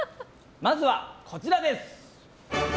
まずは、こちらです。